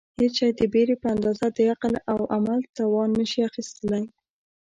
هېڅ شی د بېرې په اندازه د عقل او عمل توان نشي اخیستلای.